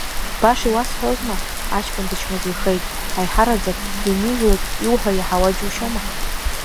Баша иуасҳәозма, аҷкәын дычмазаҩхеит, аиҳараӡак ианижәлак иуҳәо иаҳауа џьушьома.